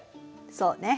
そうね。